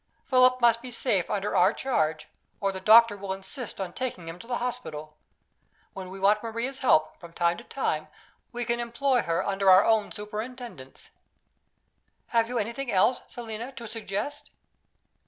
Philip must be safe under our charge, or the doctor will insist on taking him to the hospital. When we want Maria's help, from time to time, we can employ her under our own superintendence. Have you anything else, Selina, to suggest?"